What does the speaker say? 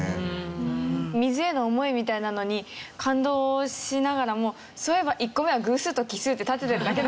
水への思いみたいなのに感動しながらもそういえば１個目は偶数と奇数って立ててるだけ。